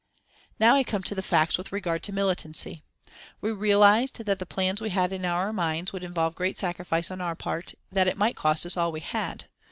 "Now I come to the facts with regard to militancy. We realised that the plans we had in our minds would involve great sacrifice on our part, that it might cost us all we had.